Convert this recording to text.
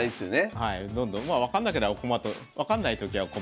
はい。